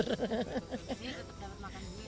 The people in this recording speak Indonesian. ini dapat makan